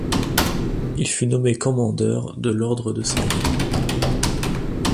Il fut nommé commandeur de l'Ordre de Saint-Louis.